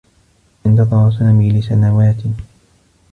انتظر سامي لسنوات.